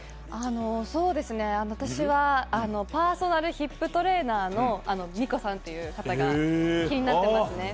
私はパーソナルヒップトレーナーのＭＩＣＯさんという方が気になってますね。